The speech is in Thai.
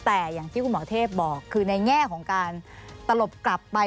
แต่อย่างที่คุณหมอเทพบอกคือในแง่ของการตลบกลับไป